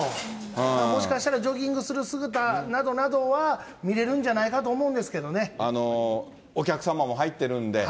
だからもしかしたらジョギングする姿などは見れるんじゃないかとお客様も入ってるんで。